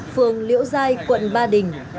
phường liễu giai quận ba đình